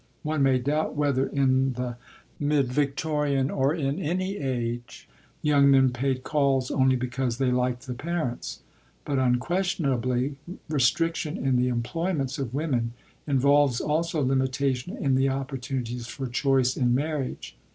One may doubt whether in the mid Victorian or in any age, young men paid calls only because they liked the parents; but unquestionably restriction in the employments of women involves also limitation in the opportunities for choice in marriage.